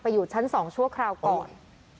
ไปอยู่ชั้นสองชั่วคราวก่อนโอ้